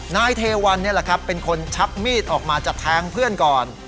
นายเทวันนี่แหละครับเป็นคนชักมีดออกมาจะแทงเพื่อนก่อน